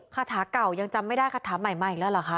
ขาดหาเก่ายังจำไม่ได้ขาดหาใหม่แล้วเหรอค่ะ